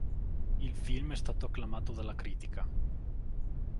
Il film è stato acclamato dalla critica.